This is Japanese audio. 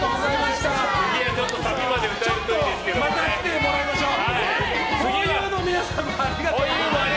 次はまた来てもらいましょう。